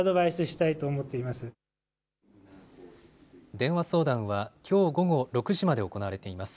電話相談はきょう午後６時まで行われています。